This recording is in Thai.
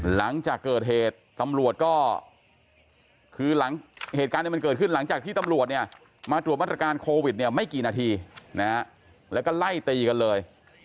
หลังจากเกิดเหตุตำรวจก็คือหลังเหตุการณ์มันเกิดขึ้นหลังจากที่ตำรวจเนี่ยมาตรวจมาตรการโควิดเนี่ยไม่กี่นาทีนะฮะแล้วก็ไล่ตีกันเลย